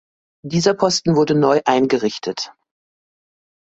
Dieser Posten wurde neu eingerichtet.